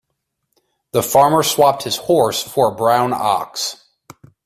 The farmer swapped his horse for a brown ox.